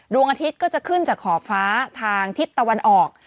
ดวงอาทิตย์ก็จะขึ้นจากขอบฟ้าทางทิศตะวันออก